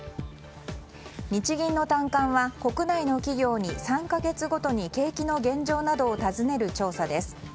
日銀の短観は国内の企業に３か月ごとに景気の現状などを尋ねる調査です。